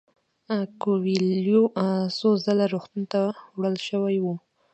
کویلیو څو ځله روغتون ته وړل شوی و.